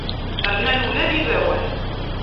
Rnan ula d ibawen.